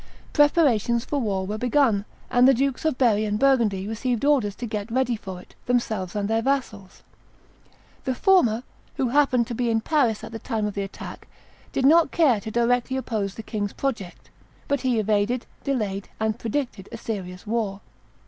Preparations for war were begun; and the Dukes of Berry and Burgundy received orders to get ready for it, themselves and their vassals. The former, who happened to be in Paris at the time of the attack, did not care to directly oppose the king's project; but he evaded, delayed, and predicted a serious war.